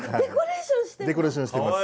デコレーションしてんの？